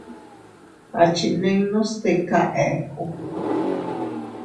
Achinninnu stika ekku.